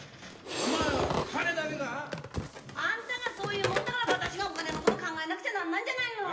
お前は金だけか！？あんたがそういうもんだから私がお金のこと考えなくちゃなんないんじゃないの！